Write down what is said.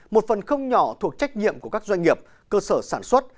một phần không nhỏ thuộc trách nhiệm của các doanh nghiệp cơ sở sản xuất